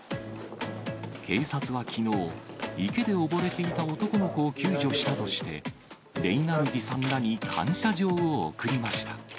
警察はきのう、池で溺れていた男の子を救助したとして、レイナルディさんらに感謝状を贈りました。